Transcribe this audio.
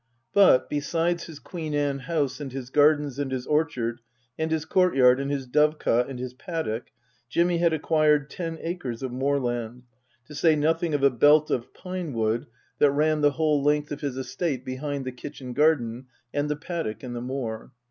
But, besides his Queen Anne house and his gardens and his orchard and his courtyard and his dovecot and his paddock, Jimmy had acquired ten acres of moorland, to say nothing of a belt of pinewood 214 Tasker Jevons that ran the whole length of his estate behind the kitchen garden and the paddock and the moor.